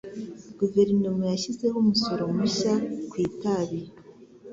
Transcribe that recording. Guverinoma yashyizeho umusoro mushya ku itabi.